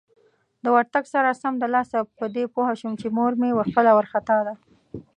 د ورتګ سره سمدلاسه په دې پوه شوم چې مور مې خپله وارخطا ده.